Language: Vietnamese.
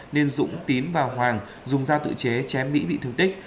nên dũng tín và hoàng dùng dao tự chế chém mỹ bị thương tích